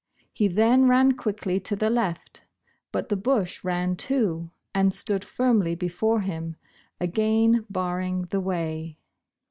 He then ran quickly to the left, but the bush ran too, and stood firmly before him, again barring the way.